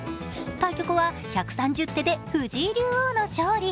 対局は１３０手で藤井竜王の勝利。